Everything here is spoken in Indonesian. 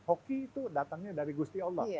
hoki itu datangnya dari gusti allah